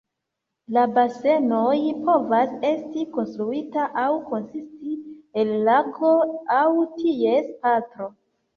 La basenoj povas esti konstruita aŭ konsisti el lago aŭ ties parto.